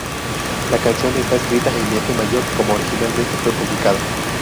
La canción está escrita en F mayor, como originalmente fue publicada.